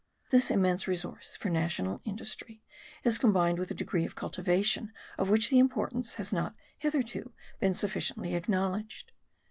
This immense resource for national industry is combined with a degree of cultivation of which the importance has not hitherto been sufficiently acknowledged.